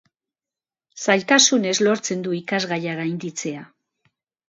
Zailtasunez lortzen du ikasgaia gainditzea.